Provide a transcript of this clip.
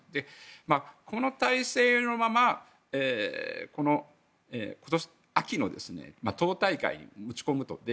この体制のまま今年の秋の党大会にぶち込むと。